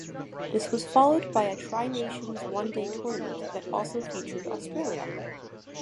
This was followed by a tri-nations one-day tournament that also featured Australia.